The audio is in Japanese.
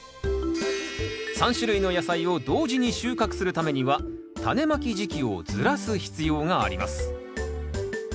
３種類の野菜を同時に収穫するためにはタネまき時期をずらす必要があります。